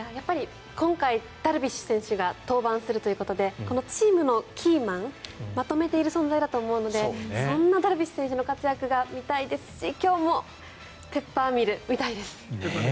今回、ダルビッシュ選手が登板するということでこのチームのキーマンまとめている存在だと思うのでそんなダルビッシュ選手の活躍が見たいですし今日もペッパーミル見たいです。